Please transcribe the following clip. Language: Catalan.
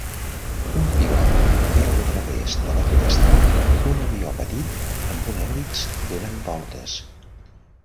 Un pilot veu a través de la finestra un avió petit amb una hèlix donant voltes